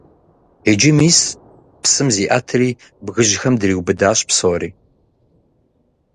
Иджы, мис, псым зиӀэтри, бгыжьхэм дриубыдащ псори.